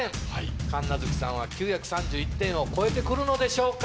神奈月さんは９３１点を超えて来るのでしょうか。